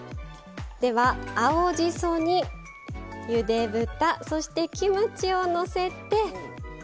では青じそにゆで豚そしてキムチをのせて。